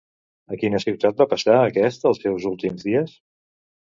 A quina ciutat va passar aquest els seus últims dies?